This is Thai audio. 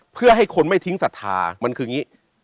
เพื่อให้คนไม่ทิ้งศรัทธามันคืออย่างนี้